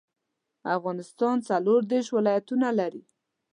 افغانستان څلوردیرش ولايتونه لري.